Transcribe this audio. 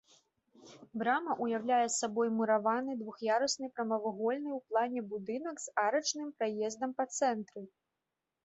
Брама ўяўляе сабой мураваны двух'ярусны прамавугольны ў плане будынак з арачным праездам па цэнтры.